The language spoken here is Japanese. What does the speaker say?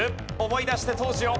思い出して当時を。